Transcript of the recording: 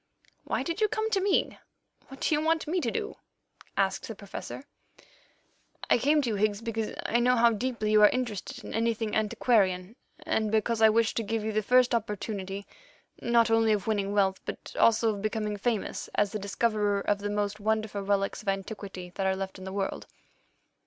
"Why did you come to me? What do you want me to do?" asked the Professor. "I came to you, Higgs, because I know how deeply you are interested in anything antiquarian, and because I wished to give you the first opportunity, not only of winning wealth, but also of becoming famous as the discoverer of the most wonderful relics of antiquity that are left in the world."